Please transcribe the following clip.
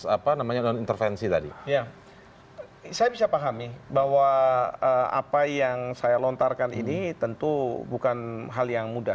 apa namanya non intervensi tadi ya saya bisa pahami bahwa apa yang saya lontarkan ini tentu bukan hal yang mudah